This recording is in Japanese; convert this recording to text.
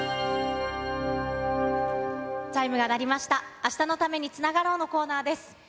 明日のためにつながろうのコーナーです。